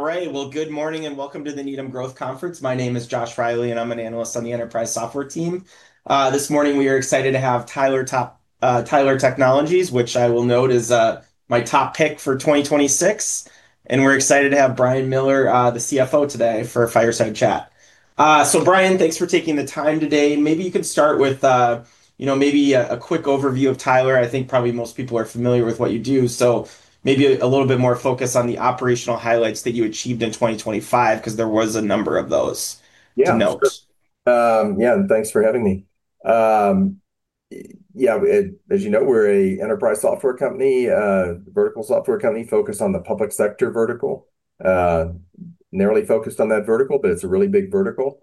All right, well, good morning and Welcome to the Needham Growth Conference. My name is Josh Riley, and I'm an analyst on the enterprise software team. This morning, we are excited to have Tyler Technologies, which I will note is my top pick for 2026, and we're excited to have Brian Miller, the CFO, today for a fireside chat, so, Brian, thanks for taking the time today. Maybe you can start with maybe a quick overview of Tyler. I think probably most people are familiar with what you do, so maybe a little bit more focus on the operational highlights that you achieved in 2025, because there was a number of those to note. Yeah. Thanks for having me. Yeah. As you know, we're an enterprise software company, a vertical software company focused on the public sector vertical, narrowly focused on that vertical, but it's a really big vertical.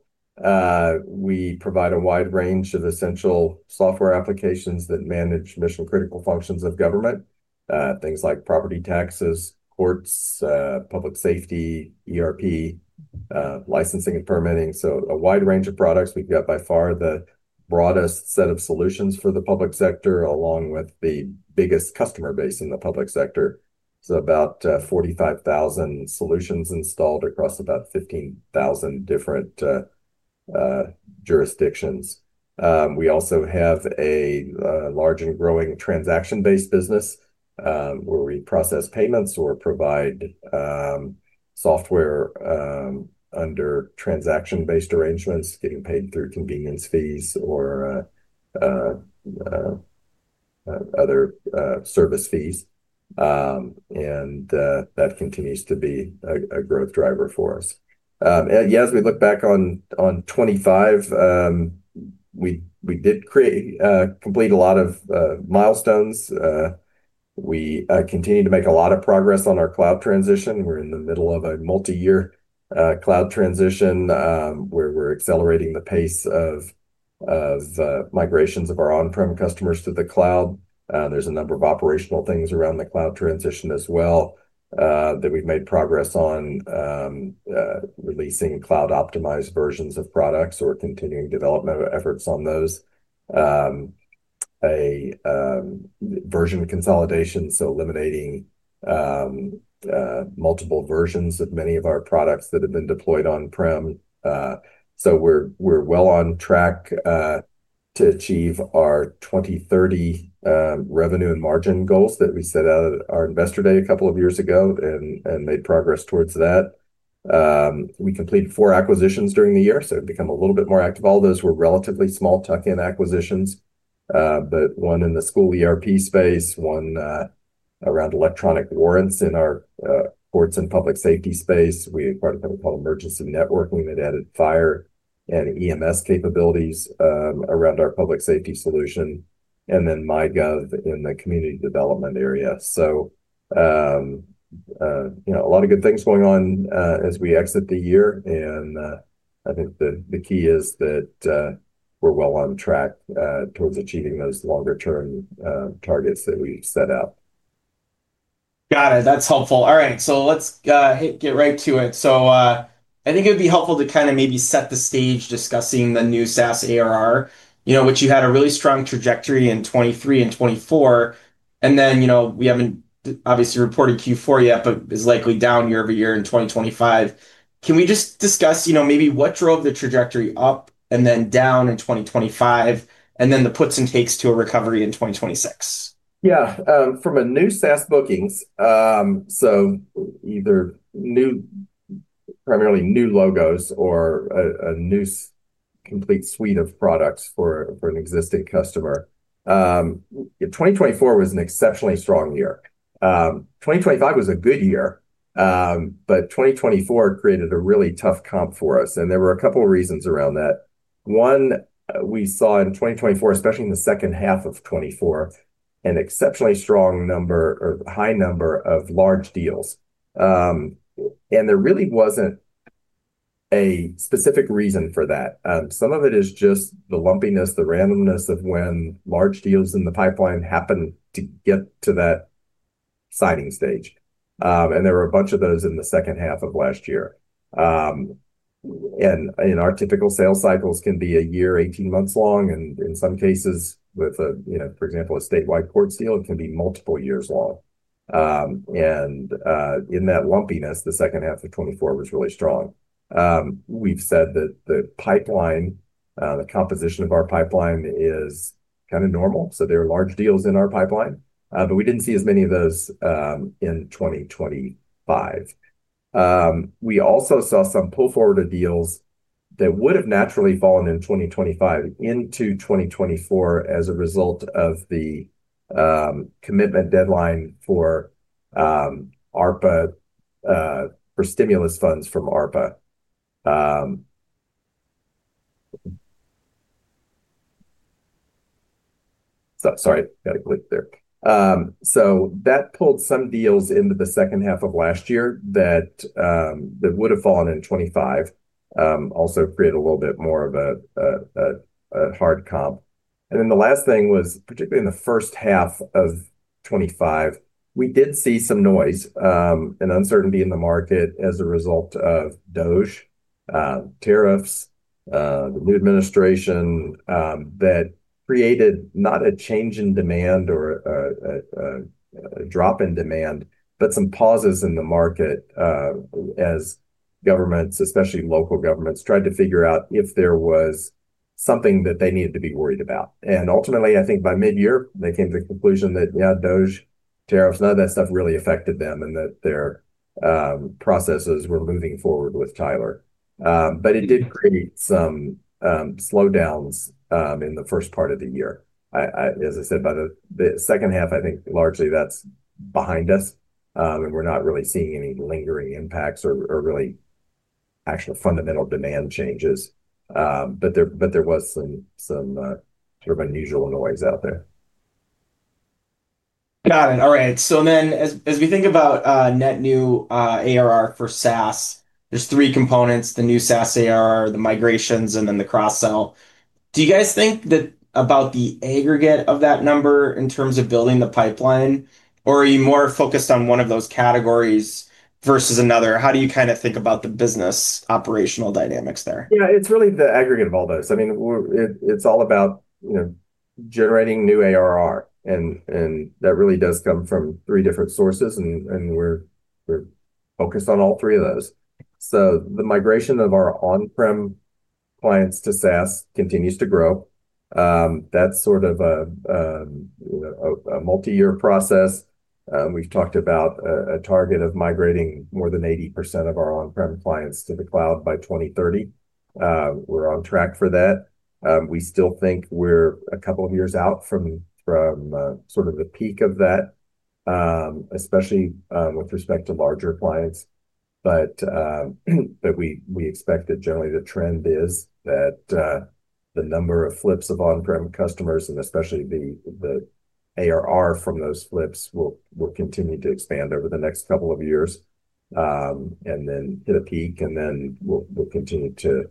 We provide a wide range of essential software applications that manage mission-critical functions of government, things like property taxes, courts, public safety, ERP, licensing, and permitting. So a wide range of products. We've got, by far, the broadest set of solutions for the public sector, along with the biggest customer base in the public sector. So about 45,000 solutions installed across about 15,000 different jurisdictions. We also have a large and growing transaction-based business where we process payments or provide software under transaction-based arrangements, getting paid through convenience fees or other service fees. And that continues to be a growth driver for us. Yeah. As we look back on 2025, we did complete a lot of milestones. We continue to make a lot of progress on our cloud transition. We're in the middle of a multi-year cloud transition where we're accelerating the pace of migrations of our on-prem customers to the cloud. There's a number of operational things around the cloud transition as well that we've made progress on, releasing cloud-optimized versions of products or continuing development efforts on those. A version consolidation, so eliminating multiple versions of many of our products that have been deployed on-prem. So we're well on track to achieve our 2030 revenue and margin goals that we set out at our investor day a couple of years ago and made progress towards that. We completed four acquisitions during the year, so we've become a little bit more active. All those were relatively small tuck-in acquisitions, but one in the school ERP space, one around electronic warrants in our courts and public safety space. We acquired something called Emergency Networking. We added fire and EMS capabilities around our public safety solution, and then MyGov in the community development area, so a lot of good things going on as we exit the year, and I think the key is that we're well on track towards achieving those longer-term targets that we've set out. Got it. That's helpful. All right. So let's get right to it. So I think it would be helpful to kind of maybe set the stage discussing the new SaaS ARR, which you had a really strong trajectory in 2023 and 2024. And then, we haven't obviously reported Q4 yet, but is likely down year over year in 2025. Can we just discuss maybe what drove the trajectory up and then down in 2025, and then the puts and takes to a recovery in 2026? Yeah. From a new SaaS bookings, so either primarily new logos or a new complete suite of products for an existing customer. 2024 was an exceptionally strong year. 2025 was a good year, but 2024 created a really tough comp for us. And there were a couple of reasons around that. One, we saw in 2024, especially in the second half of 2024, an exceptionally strong number or high number of large deals. And there really wasn't a specific reason for that. Some of it is just the lumpiness, the randomness of when large deals in the pipeline happen to get to that signing stage. And in our typical sales cycles can be a year, 18 months long. And in some cases, with, for example, a statewide court deal, it can be multiple years long. In that lumpiness, the second half of 2024 was really strong. We've said that the pipeline, the composition of our pipeline is kind of normal. So there are large deals in our pipeline, but we didn't see as many of those in 2025. We also saw some pull forward of deals that would have naturally fallen in 2025 into 2024 as a result of the commitment deadline for ARPA, for stimulus funds from ARPA. Sorry, got to click there. So that pulled some deals into the second half of last year that would have fallen in 2025, also created a little bit more of a hard comp. Then the last thing was, particularly in the first half of 2025, we did see some noise and uncertainty in the market as a result of DOGE tariffs, the new administration that created not a change in demand or a drop in demand, but some pauses in the market as governments, especially local governments, tried to figure out if there was something that they needed to be worried about. Ultimately, I think by mid-year, they came to the conclusion that, yeah, DOGE tariffs, none of that stuff really affected them and that their processes were moving forward with Tyler. But it did create some slowdowns in the first part of the year. As I said, by the second half, I think largely that's behind us. We're not really seeing any lingering impacts or really actual fundamental demand changes. But there was some sort of unusual noise out there. Got it. All right. So then as we think about net new ARR for SaaS, there's three components: the new SaaS ARR, the migrations, and then the cross-sell. Do you guys think about the aggregate of that number in terms of building the pipeline, or are you more focused on one of those categories versus another? How do you kind of think about the business operational dynamics there? Yeah, it's really the aggregate of all those. I mean, it's all about generating new ARR, and that really does come from three different sources, and we're focused on all three of those, so the migration of our on-prem clients to SaaS continues to grow. That's sort of a multi-year process. We've talked about a target of migrating more than 80% of our on-prem clients to the cloud by 2030. We're on track for that. We still think we're a couple of years out from sort of the peak of that, especially with respect to larger clients, but we expect that generally the trend is that the number of flips of on-prem customers, and especially the ARR from those flips, will continue to expand over the next couple of years and then hit a peak, and then we'll continue to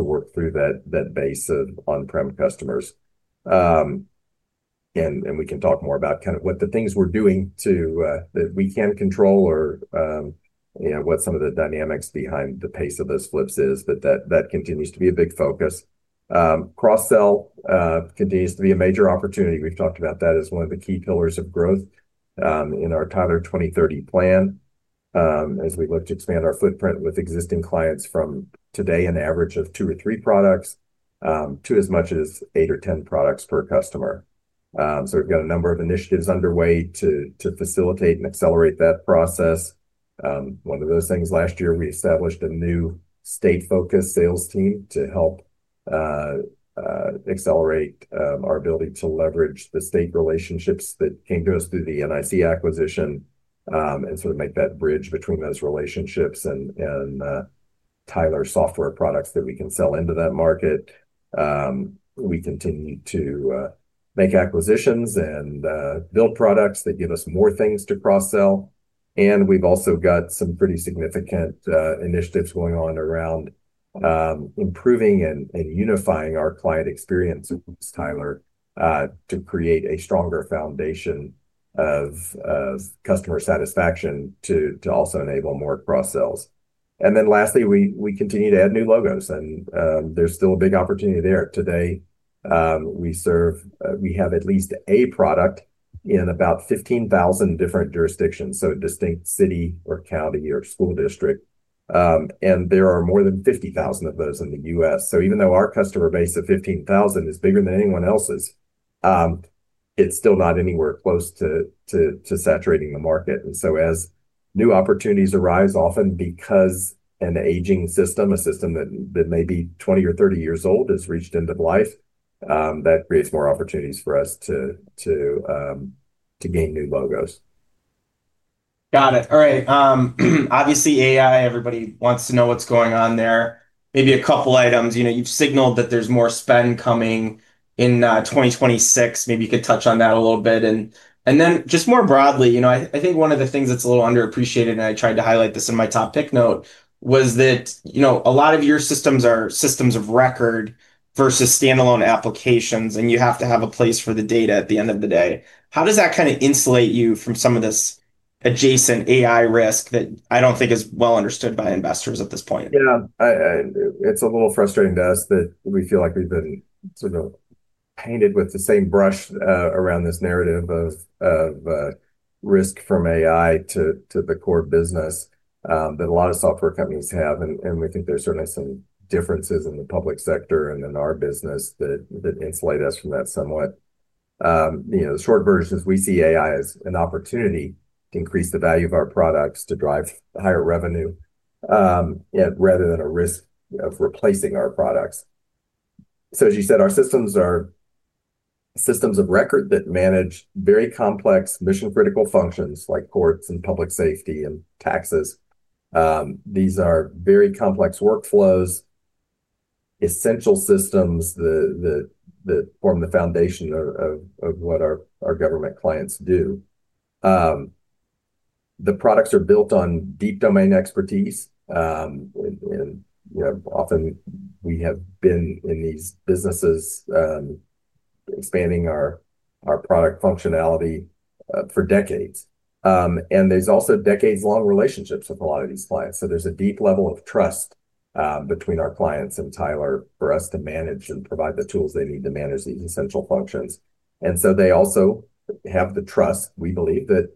work through that base of on-prem customers. And we can talk more about kind of what the things we're doing that we can control or what some of the dynamics behind the pace of those flips is, but that continues to be a big focus. Cross-sell continues to be a major opportunity. We've talked about that as one of the key pillars of growth in our Tyler 2030 plan as we look to expand our footprint with existing clients from today, an average of two or three products to as much as eight or 10 products per customer. So we've got a number of initiatives underway to facilitate and accelerate that process. One of those things, last year, we established a new state-focused sales team to help accelerate our ability to leverage the state relationships that came to us through the NIC acquisition and sort of make that bridge between those relationships and Tyler software products that we can sell into that market. We continue to make acquisitions and build products that give us more things to cross-sell. And we've also got some pretty significant initiatives going on around improving and unifying our client experience with Tyler to create a stronger foundation of customer satisfaction to also enable more cross-sells. And then lastly, we continue to add new logos. And there's still a big opportunity there. Today, we have at least a product in about 15,000 different jurisdictions, so a distinct city or county or school district. And there are more than 50,000 of those in the U.S. So even though our customer base of 15,000 is bigger than anyone else's, it's still not anywhere close to saturating the market. And so as new opportunities arise, often because an aging system, a system that may be 20 or 30 years old, has reached end of life, that creates more opportunities for us to gain new logos. Got it. All right. Obviously, AI, everybody wants to know what's going on there. Maybe a couple of items. You've signaled that there's more spend coming in 2026. Maybe you could touch on that a little bit. And then just more broadly, I think one of the things that's a little underappreciated, and I tried to highlight this in my top pick note, was that a lot of your systems are systems of record versus standalone applications, and you have to have a place for the data at the end of the day. How does that kind of insulate you from some of this adjacent AI risk that I don't think is well understood by investors at this point? Yeah. It's a little frustrating to us that we feel like we've been sort of painted with the same brush around this narrative of risk from AI to the core business that a lot of software companies have. And we think there's certainly some differences in the public sector and in our business that insulate us from that somewhat. The short version is we see AI as an opportunity to increase the value of our products, to drive higher revenue rather than a risk of replacing our products. So as you said, our systems are systems of record that manage very complex mission-critical functions like courts and public safety and taxes. These are very complex workflows, essential systems that form the foundation of what our government clients do. The products are built on deep domain expertise. And often we have been in these businesses expanding our product functionality for decades. And there's also decades-long relationships with a lot of these clients. So there's a deep level of trust between our clients and Tyler for us to manage and provide the tools they need to manage these essential functions. And so they also have the trust, we believe, that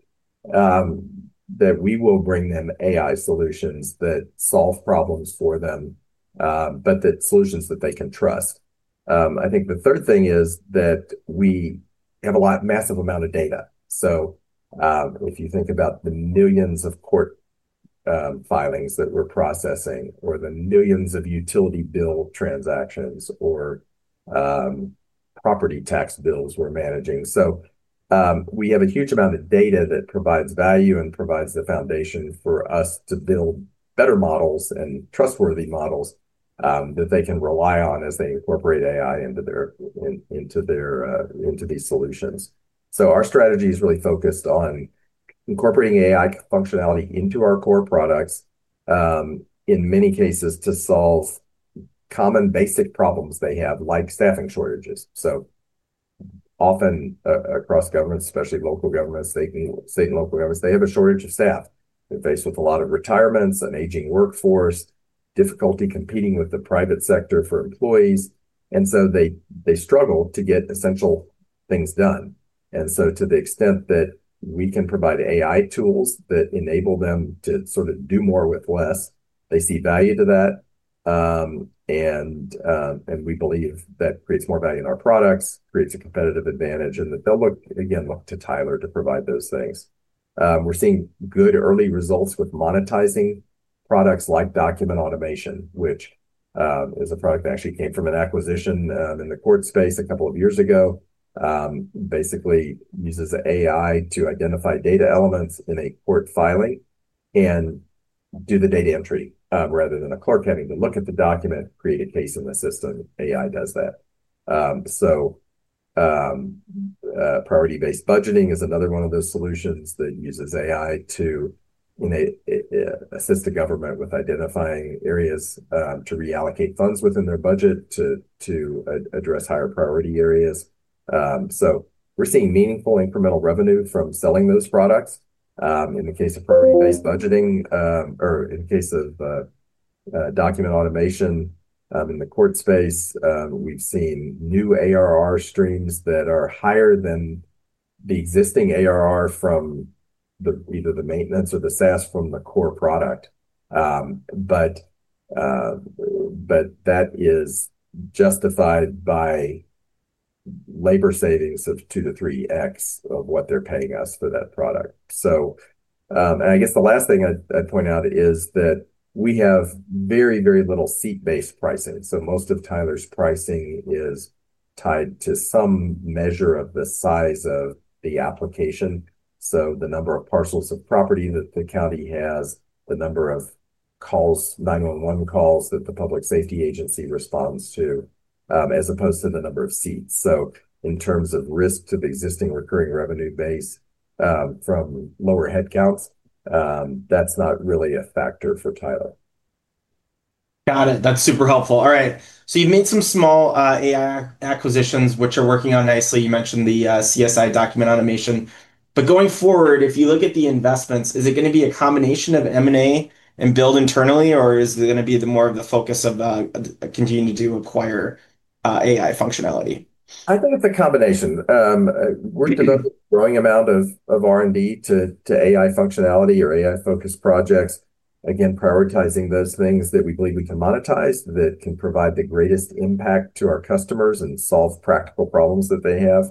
we will bring them AI solutions that solve problems for them, but that solutions that they can trust. I think the third thing is that we have a massive amount of data. So if you think about the millions of court filings that we're processing or the millions of utility bill transactions or property tax bills we're managing. So we have a huge amount of data that provides value and provides the foundation for us to build better models and trustworthy models that they can rely on as they incorporate AI into their solutions. So our strategy is really focused on incorporating AI functionality into our core products in many cases to solve common basic problems they have, like staffing shortages. So often across governments, especially local governments, state and local governments, they have a shortage of staff. They're faced with a lot of retirements, an aging workforce, difficulty competing with the private sector for employees. And so they struggle to get essential things done. And so to the extent that we can provide AI tools that enable them to sort of do more with less, they see value to that. And we believe that creates more value in our products, creates a competitive advantage, and that they'll look, again, look to Tyler to provide those things. We're seeing good early results with monetizing products like document automation, which is a product that actually came from an acquisition in the court space a couple of years ago. Basically uses AI to identify data elements in a court filing and do the data entry rather than a clerk having to look at the document, create a case in the system. AI does that. So priority-based budgeting is another one of those solutions that uses AI to assist the government with identifying areas to reallocate funds within their budget to address higher priority areas. So we're seeing meaningful incremental revenue from selling those products. In the case of priority-based budgeting or in the case of document automation in the court space, we've seen new ARR streams that are higher than the existing ARR from either the maintenance or the SaaS from the core product. But that is justified by labor savings of two to three X of what they're paying us for that product. And I guess the last thing I'd point out is that we have very, very little seat-based pricing. So most of Tyler's pricing is tied to some measure of the size of the application. So the number of parcels of property that the county has, the number of calls, 911 calls that the public safety agency responds to, as opposed to the number of seats. So in terms of risk to the existing recurring revenue base from lower headcounts, that's not really a factor for Tyler. Got it. That's super helpful. All right. So you've made some small AI acquisitions, which are working out nicely. You mentioned the CSI Document Automation. But going forward, if you look at the investments, is it going to be a combination of M&A and build internally, or is it going to be more of the focus of continuing to acquire AI functionality? I think it's a combination. We're developing a growing amount of R&D to AI functionality or AI-focused projects. Again, prioritizing those things that we believe we can monetize, that can provide the greatest impact to our customers and solve practical problems that they have,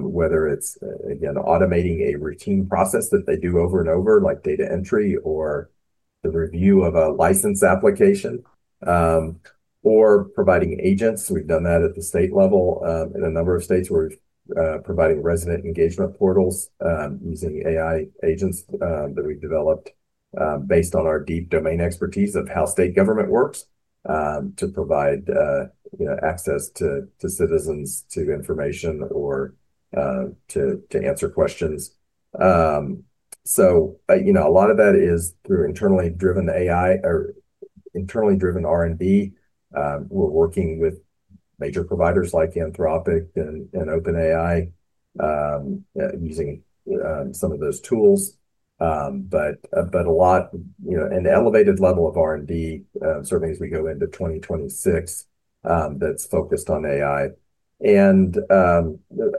whether it's, again, automating a routine process that they do over and over, like data entry or the review of a license application or providing agents. We've done that at the state level in a number of states where we're providing resident engagement portals using AI agents that we've developed based on our deep domain expertise of how state government works to provide access to citizens to information or to answer questions. So a lot of that is through internally-driven AI or internally-driven R&D. We're working with major providers like Anthropic and OpenAI using some of those tools. But a lot of an elevated level of R&D spending as we go into 2026, that's focused on AI. And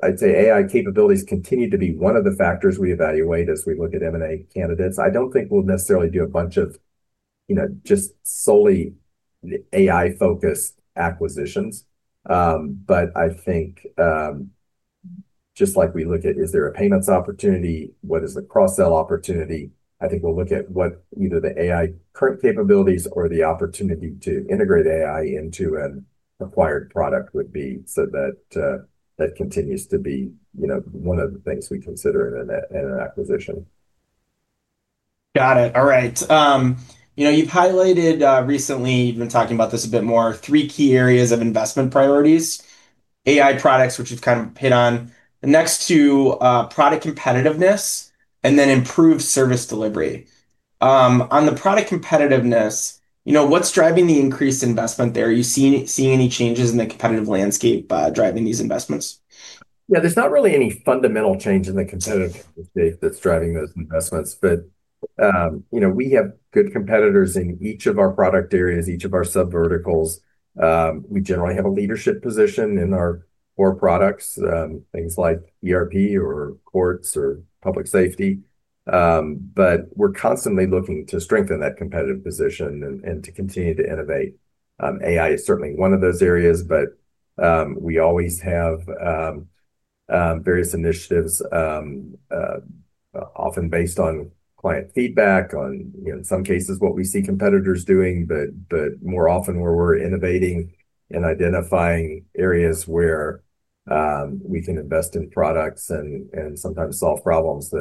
I'd say AI capabilities continue to be one of the factors we evaluate as we look at M&A candidates. I don't think we'll necessarily do a bunch of just solely AI-focused acquisitions. But I think just like we look at, is there a payments opportunity? What is the cross-sell opportunity? I think we'll look at what either the AI current capabilities or the opportunity to integrate AI into an acquired product would be so that that continues to be one of the things we consider in an acquisition. Got it. All right. You've highlighted recently, you've been talking about this a bit more, three key areas of investment priorities: AI products, which you've kind of hit on, next to product competitiveness, and then improved service delivery. On the product competitiveness, what's driving the increased investment there? Are you seeing any changes in the competitive landscape driving these investments? Yeah. There's not really any fundamental change in the competitive landscape that's driving those investments. But we have good competitors in each of our product areas, each of our subverticals. We generally have a leadership position in our core products, things like ERP or courts or public safety. But we're constantly looking to strengthen that competitive position and to continue to innovate. AI is certainly one of those areas, but we always have various initiatives, often based on client feedback, in some cases, what we see competitors doing. But more often where we're innovating and identifying areas where we can invest in products and sometimes solve problems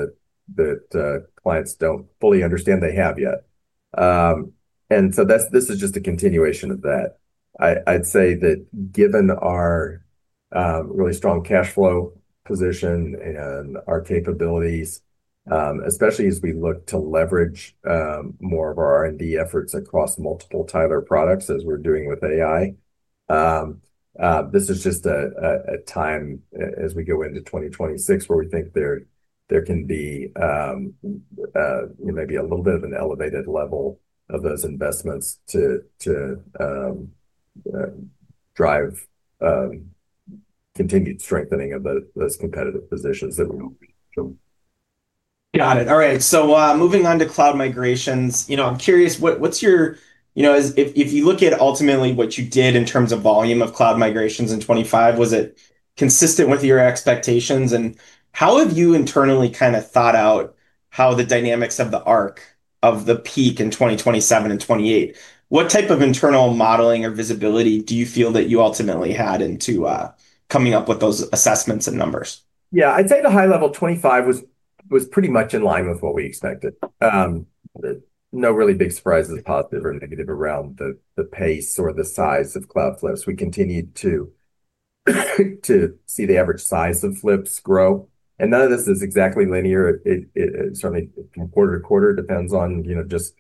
that clients don't fully understand they have yet. And so this is just a continuation of that. I'd say that given our really strong cash flow position and our capabilities, especially as we look to leverage more of our R&D efforts across multiple Tyler products as we're doing with AI, this is just a time as we go into 2026 where we think there can be maybe a little bit of an elevated level of those investments to drive continued strengthening of those competitive positions that we want to reach. Got it. All right. So moving on to cloud migrations, I'm curious, what's your, if you look at ultimately what you did in terms of volume of cloud migrations in 2025, was it consistent with your expectations? And how have you internally kind of thought out how the dynamics of the arc of the peak in 2027 and 2028? What type of internal modeling or visibility do you feel that you ultimately had into coming up with those assessments and numbers? Yeah. I'd say the high level 2025 was pretty much in line with what we expected. No really big surprises, positive or negative, around the pace or the size of cloud flips. We continued to see the average size of flips grow. And none of this is exactly linear. Certainly, from quarter to quarter, it depends on just,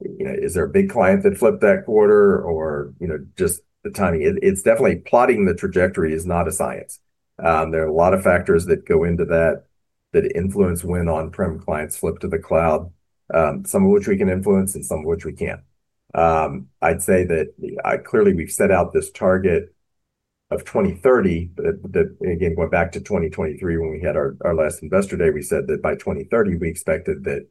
is there a big client that flipped that quarter or just the timing? It's definitely plotting the trajectory is not a science. There are a lot of factors that go into that influence when on-prem clients flip to the cloud, some of which we can influence and some of which we can't. I'd say that clearly we've set out this target of 2030. Again, going back to 2023, when we had our last investor day, we said that by 2030, we expected that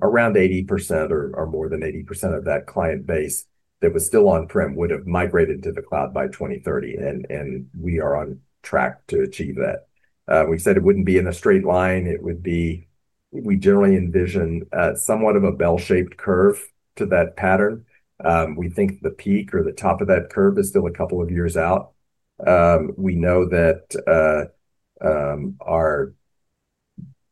around 80% or more than 80% of that client base that was still on-prem would have migrated to the cloud by 2030. And we are on track to achieve that. We said it wouldn't be in a straight line. It would be, we generally envision somewhat of a bell-shaped curve to that pattern. We think the peak or the top of that curve is still a couple of years out. We know that our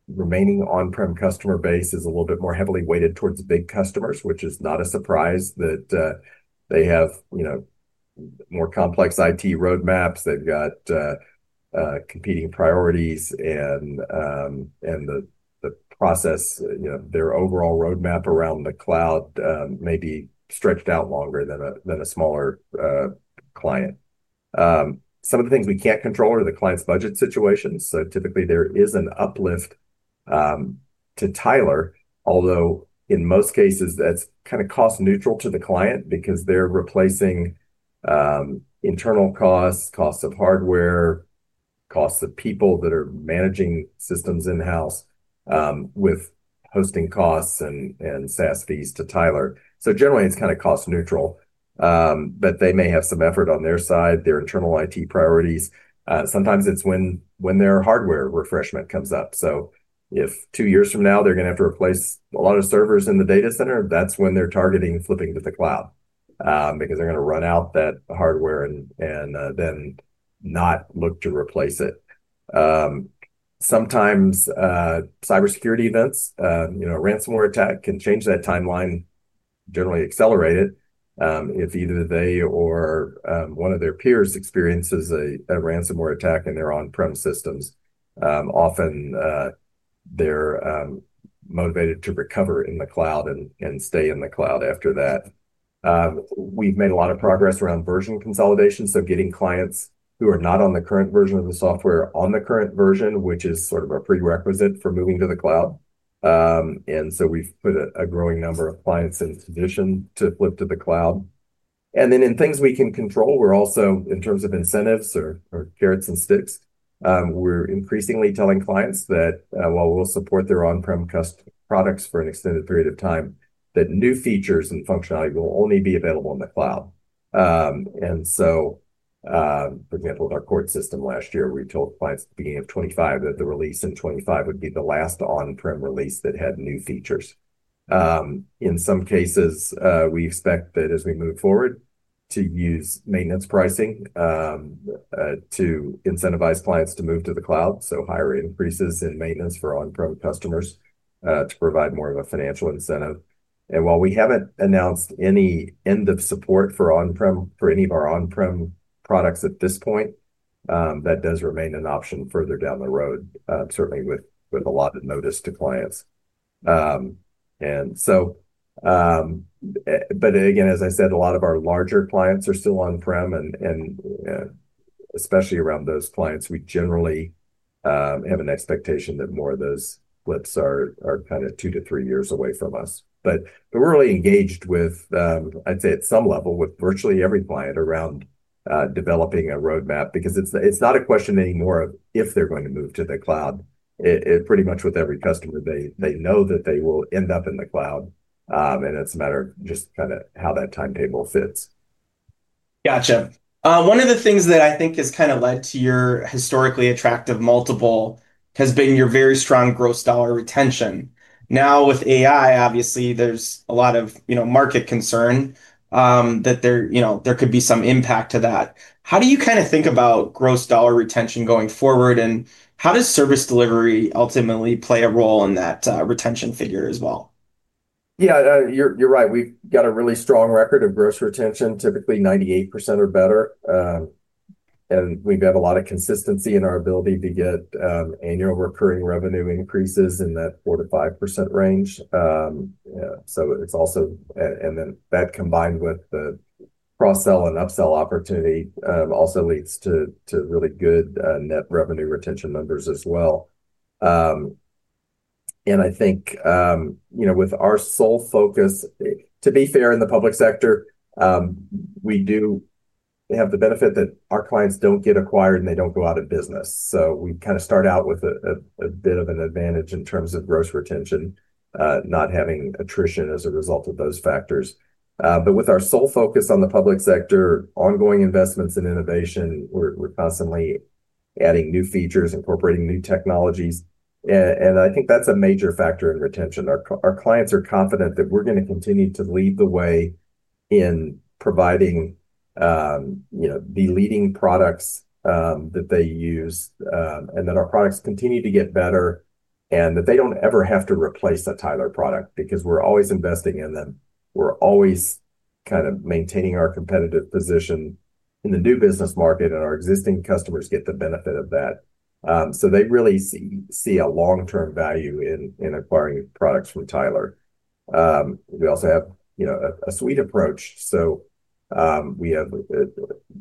remaining on-prem customer base is a little bit more heavily weighted towards big customers, which is not a surprise that they have more complex IT roadmaps. They've got competing priorities and the process, their overall roadmap around the cloud may be stretched out longer than a smaller client. Some of the things we can't control are the client's budget situations. So typically there is an uplift to Tyler, although in most cases that's kind of cost-neutral to the client because they're replacing internal costs, costs of hardware, costs of people that are managing systems in-house with hosting costs and SaaS fees to Tyler. So generally, it's kind of cost-neutral, but they may have some effort on their side, their internal IT priorities. Sometimes it's when their hardware refresh comes up. So if two years from now they're going to have to replace a lot of servers in the data center, that's when they're targeting flipping to the cloud because they're going to run out of that hardware and then not look to replace it. Sometimes cybersecurity events, a ransomware attack, can change that timeline, generally accelerate it. If either they or one of their peers experiences a ransomware attack in their on-prem systems, often they're motivated to recover in the cloud and stay in the cloud after that. We've made a lot of progress around version consolidation, so getting clients who are not on the current version of the software on the current version, which is sort of a prerequisite for moving to the cloud, and so we've put a growing number of clients in position to flip to the cloud, and then in things we can control, we're also, in terms of incentives or carrots and sticks, we're increasingly telling clients that while we'll support their on-prem products for an extended period of time, that new features and functionality will only be available in the cloud. For example, with our court system last year, we told clients at the beginning of 2025 that the release in 2025 would be the last on-prem release that had new features. In some cases, we expect that as we move forward to use maintenance pricing to incentivize clients to move to the cloud, so higher increases in maintenance for on-prem customers to provide more of a financial incentive. While we haven't announced any end of support for on-prem for any of our on-prem products at this point, that does remain an option further down the road, certainly with a lot of notice to clients. But again, as I said, a lot of our larger clients are still on-prem, and especially around those clients, we generally have an expectation that more of those flips are kind of two to three years away from us. But we're really engaged with, I'd say at some level, with virtually every client around developing a roadmap because it's not a question anymore of if they're going to move to the cloud. Pretty much with every customer, they know that they will end up in the cloud, and it's a matter of just kind of how that timetable fits. Gotcha. One of the things that I think has kind of led to your historically attractive multiple has been your very strong gross dollar retention. Now with AI, obviously, there's a lot of market concern that there could be some impact to that. How do you kind of think about gross dollar retention going forward, and how does service delivery ultimately play a role in that retention figure as well? Yeah, you're right. We've got a really strong record of gross retention, typically 98% or better, and we've had a lot of consistency in our ability to get annual recurring revenue increases in that 4%-5% range. So it's also, and then that combined with the cross-sell and upsell opportunity also leads to really good net revenue retention numbers as well, and I think with our sole focus, to be fair, in the public sector, we do have the benefit that our clients don't get acquired and they don't go out of business. So we kind of start out with a bit of an advantage in terms of gross retention, not having attrition as a result of those factors, but with our sole focus on the public sector, ongoing investments and innovation, we're constantly adding new features, incorporating new technologies, and I think that's a major factor in retention. Our clients are confident that we're going to continue to lead the way in providing the leading products that they use, and that our products continue to get better and that they don't ever have to replace a Tyler product because we're always investing in them. We're always kind of maintaining our competitive position in the new business market, and our existing customers get the benefit of that, so they really see a long-term value in acquiring products from Tyler. We also have a suite approach, so we have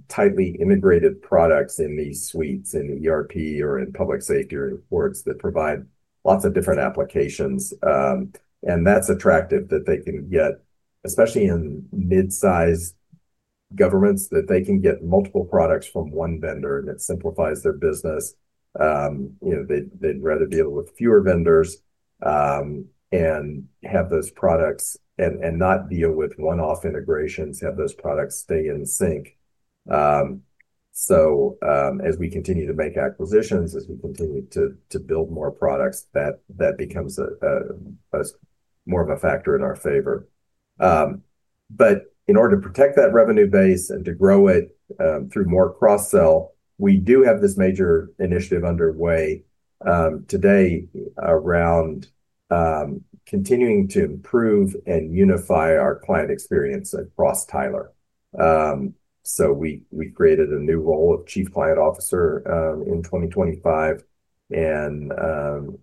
tightly integrated products in these suites in ERP or in public safety reports that provide lots of different applications, and that's attractive that they can get, especially in mid-sized governments, that they can get multiple products from one vendor and it simplifies their business. They'd rather deal with fewer vendors and have those products and not deal with one-off integrations, have those products stay in sync. So as we continue to make acquisitions, as we continue to build more products, that becomes more of a factor in our favor. But in order to protect that revenue base and to grow it through more cross-sell, we do have this major initiative underway today around continuing to improve and unify our client experience across Tyler. So we created a new role of Chief Client Officer in 2025. And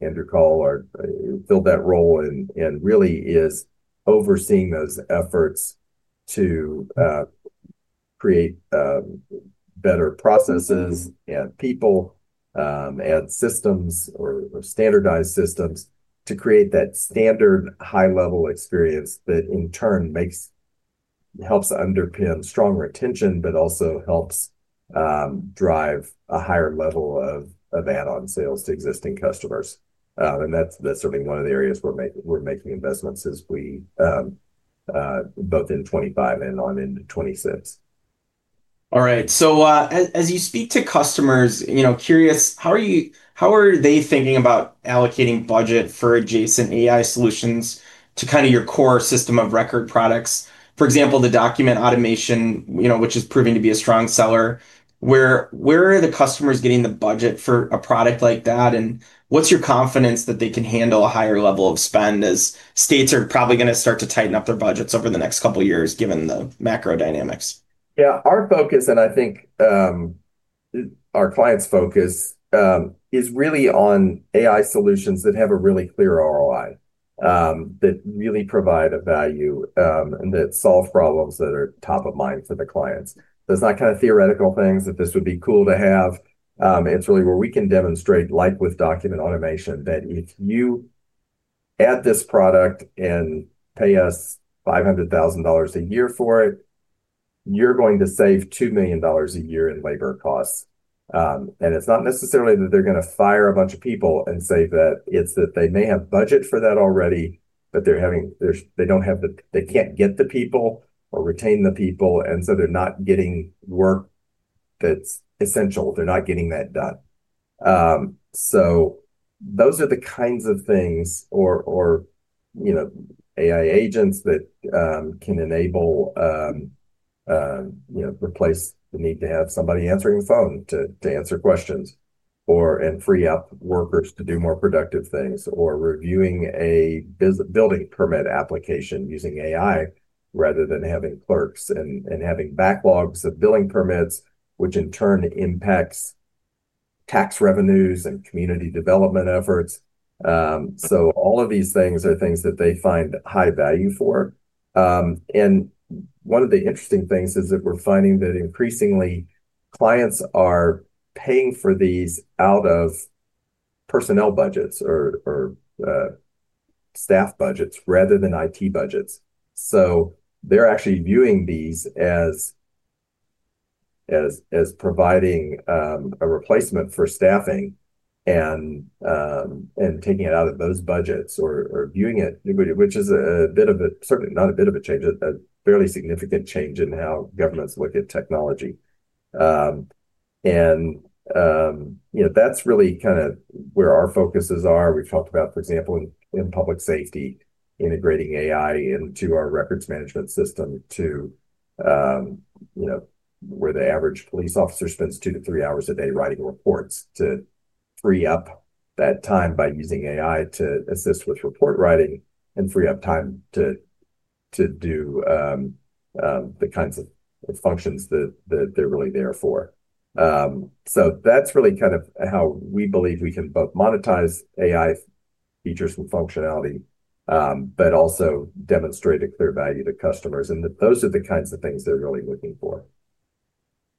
Andrew Coll filled that role and really is overseeing those efforts to create better processes and people and systems or standardized systems to create that standard high-level experience that in turn helps underpin strong retention, but also helps drive a higher level of add-on sales to existing customers. That's certainly one of the areas we're making investments as we both in 2025 and on into 2026. All right. So as you speak to customers, curious, how are they thinking about allocating budget for adjacent AI solutions to kind of your core system of record products? For example, the document automation, which is proving to be a strong seller. Where are the customers getting the budget for a product like that? And what's your confidence that they can handle a higher level of spend as states are probably going to start to tighten up their budgets over the next couple of years given the macro dynamics? Yeah. Our focus, and I think our clients' focus is really on AI solutions that have a really clear ROI, that really provide a value, and that solve problems that are top of mind for the clients. So it's not kind of theoretical things that this would be cool to have. It's really where we can demonstrate with document automation that if you add this product and pay us $500,000 a year for it, you're going to save $2 million a year in labor costs. And it's not necessarily that they're going to fire a bunch of people and say that it's that they may have budget for that already, but they don't have the, they can't get the people or retain the people, and so they're not getting work that's essential. They're not getting that done. So those are the kinds of things, or AI agents, that can enable, replace the need to have somebody answering the phone to answer questions and free up workers to do more productive things, or reviewing a building permit application using AI rather than having clerks and having backlogs of building permits, which in turn impacts tax revenues and community development efforts. So all of these things are things that they find high value for. And one of the interesting things is that we're finding that increasingly clients are paying for these out of personnel budgets or staff budgets rather than IT budgets. So they're actually viewing these as providing a replacement for staffing and taking it out of those budgets or viewing it, which is certainly not a bit of a change, a fairly significant change in how governments look at technology. That's really kind of where our focuses are. We've talked about, for example, in public safety, integrating AI into our records management system to where the average police officer spends two to three hours a day writing reports to free up that time by using AI to assist with report writing and free up time to do the kinds of functions that they're really there for. So that's really kind of how we believe we can both monetize AI features and functionality, but also demonstrate a clear value to customers. Those are the kinds of things they're really looking for.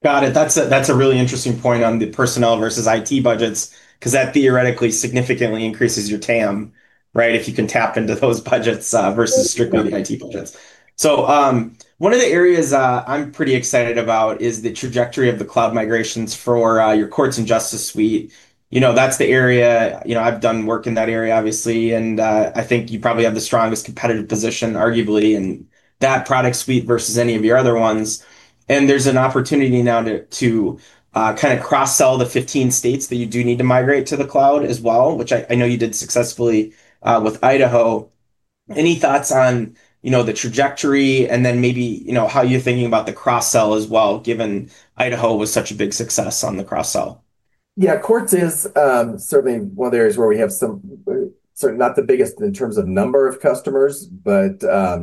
Got it. That's a really interesting point on the personnel versus IT budgets because that theoretically significantly increases your TAM, right? If you can tap into those budgets versus strictly the IT budgets. One of the areas I'm pretty excited about is the trajectory of the cloud migrations for your courts and justice suite. That's the area I've done work in that area, obviously, and I think you probably have the strongest competitive position, arguably, in that product suite versus any of your other ones. There's an opportunity now to kind of cross-sell the 15 states that you do need to migrate to the cloud as well, which I know you did successfully with Idaho. Any thoughts on the trajectory and then maybe how you're thinking about the cross-sell as well, given Idaho was such a big success on the cross-sell? Yeah. Courts is certainly one of the areas where we have some, certainly not the biggest in terms of number of customers, but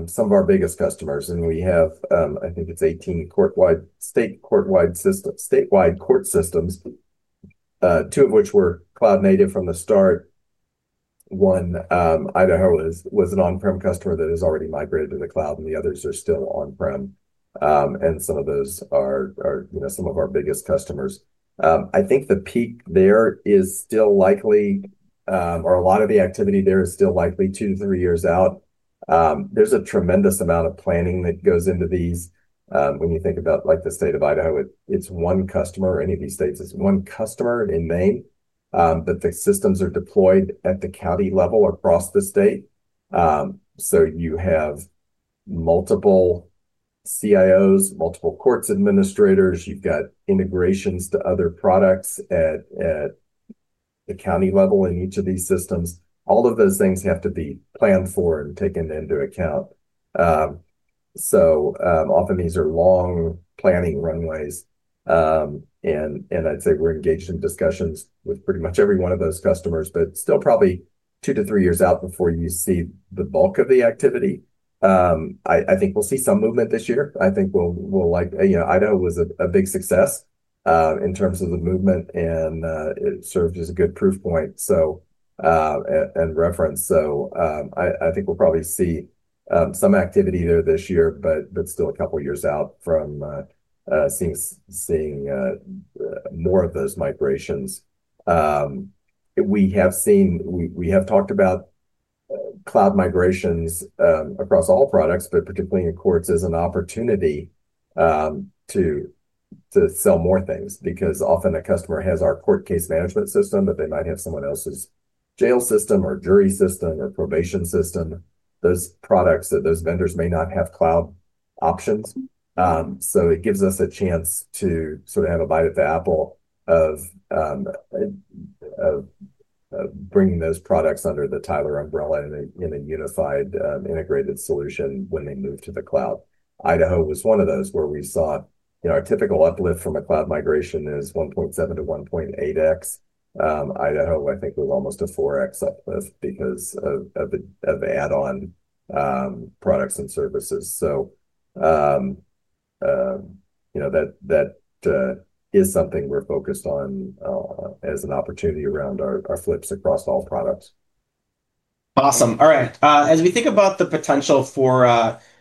some of our biggest customers. And we have, I think it's 18 statewide court systems, two of which were cloud-native from the start. One, Idaho, was an on-prem customer that has already migrated to the cloud, and the others are still on-prem. And some of those are some of our biggest customers. I think the peak there is still likely, or a lot of the activity there is still likely, two to three years out. There's a tremendous amount of planning that goes into these. When you think about the state of Idaho, it's one customer. Any of these states is one customer. In Maine, but the systems are deployed at the county level across the state. So you have multiple CIOs, multiple court administrators. You've got integrations to other products at the county level in each of these systems. All of those things have to be planned for and taken into account. So often these are long planning runways. And I'd say we're engaged in discussions with pretty much every one of those customers, but still probably two to three years out before you see the bulk of the activity. I think we'll see some movement this year. I think Idaho was a big success in terms of the movement, and it served as a good proof point and reference. So I think we'll probably see some activity there this year, but still a couple of years out from seeing more of those migrations. We have talked about cloud migrations across all products, but particularly in courts as an opportunity to sell more things because often a customer has our court case management system, but they might have someone else's jail system or jury system or probation system. Those products that those vendors may not have cloud options. So it gives us a chance to sort of have a bite at the apple of bringing those products under the Tyler umbrella in a unified integrated solution when they move to the cloud. Idaho was one of those where we saw our typical uplift from a cloud migration is 1.7-1.8x. Idaho, I think, was almost a 4x uplift because of add-on products and services. So that is something we're focused on as an opportunity around our flips across all products. Awesome. All right. As we think about the potential for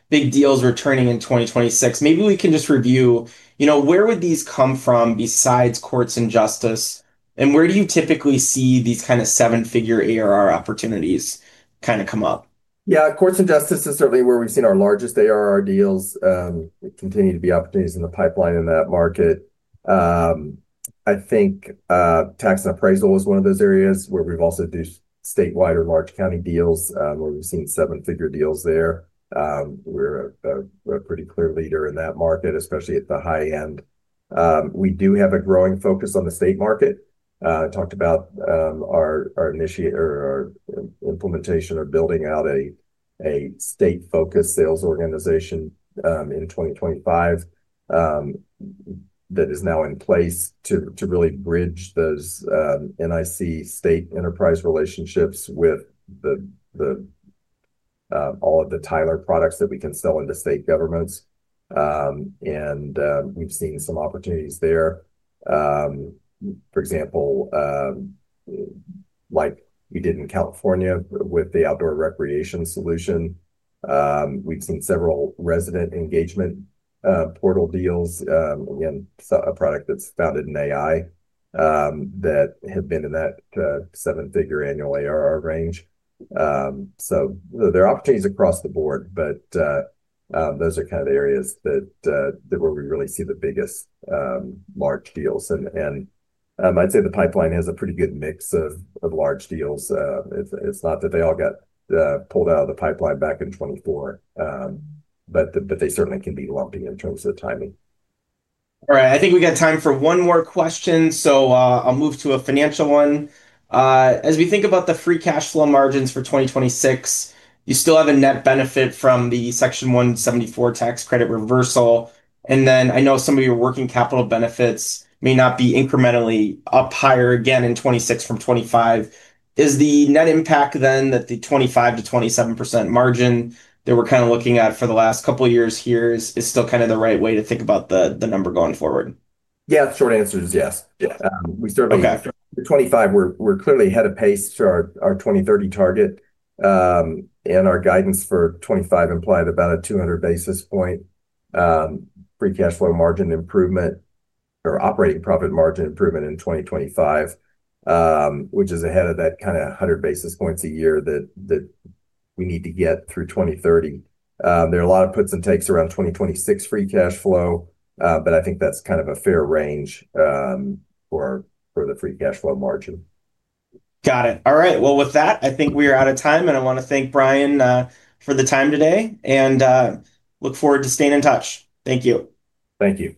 big deals returning in 2026, maybe we can just review where these would come from besides courts and justice, and where you typically see these kind of seven-figure ARR opportunities kind of come up? Yeah. Courts and justice is certainly where we've seen our largest ARR deals. There continue to be opportunities in the pipeline in that market. I think tax and appraisal is one of those areas where we've also done statewide or large county deals where we've seen seven-figure deals there. We're a pretty clear leader in that market, especially at the high end. We do have a growing focus on the state market. I talked about our implementation of building out a state-focused sales organization in 2025 that is now in place to really bridge those NIC state enterprise relationships with all of the Tyler products that we can sell into state governments. We've seen some opportunities there. For example, like we did in California with the outdoor recreation solution, we've seen several resident engagement portal deals, again, a product that's founded in AI that have been in that seven-figure annual ARR range. So there are opportunities across the board, but those are kind of the areas where we really see the biggest large deals. And I'd say the pipeline has a pretty good mix of large deals. It's not that they all got pulled out of the pipeline back in 2024, but they certainly can be lumpy in terms of timing. All right. I think we got time for one more question. So I'll move to a financial one. As we think about the free cash flow margins for 2026, you still have a net benefit from the Section 174 tax credit reversal. And then I know some of your working capital benefits may not be incrementally up higher again in 2026 from 2025. Is the net impact then that the 25%-27% margin that we're kind of looking at for the last couple of years here is still kind of the right way to think about the number going forward? Yeah. Short answer is yes. We certainly in 2025, we're clearly ahead of pace to our 2030 target. And our guidance for 2025 implied about a 200 basis points free cash flow margin improvement or operating profit margin improvement in 2025, which is ahead of that kind of 100 basis points a year that we need to get through 2030. There are a lot of puts and takes around 2026 free cash flow, but I think that's kind of a fair range for the free cash flow margin. Got it. All right. With that, I think we are out of time. I want to thank Brian for the time today and look forward to staying in touch. Thank you. Thank you.